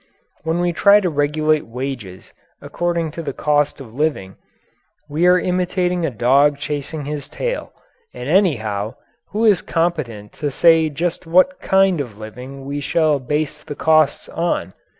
When we try to regulate wages according to the cost of living, we are imitating a dog chasing his tail. And, anyhow, who is competent to say just what kind of living we shall base the costs on?